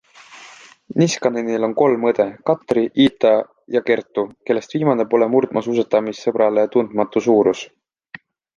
Niskanenil on kolm õde - Katri, Iita ja Kerttu -, kellest viimane pole murdmaasuusatamisesõbrale tundmatu suurus.